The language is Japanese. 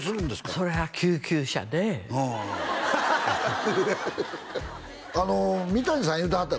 そりゃ救急車でうん三谷さん言うてはった